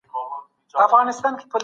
ما دغه کتاب په پښتو کي په دقت وساتلی.